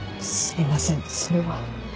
すみませんそれは。